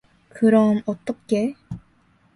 "그럼 어떡해?"